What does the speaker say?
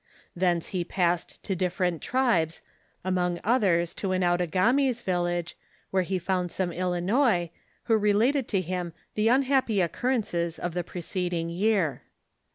Thence he passed to different tribes, among others to an Out agamis village, where he found some Ilinois, who related to him the unhappy occurrences of the preceding year.